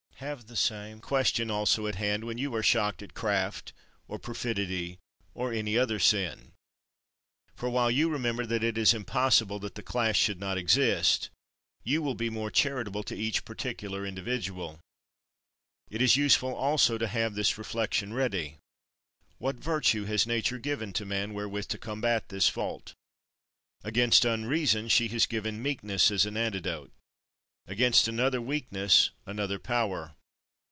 Have the same question also at hand when you are shocked at craft, or perfidy, or any other sin. For while you remember that it is impossible that the class should not exist, you will be more charitable to each particular individual. It is useful also to have this reflection ready: What virtue has nature given to man wherewith to combat this fault? Against unreason she has given meekness as an antidote; against another weakness another power.